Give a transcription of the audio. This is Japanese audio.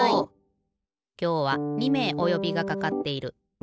きょうは２めいおよびがかかっている。